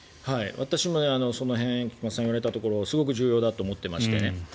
私も菊間さんが言われたところはすごく重要だと思ってまして。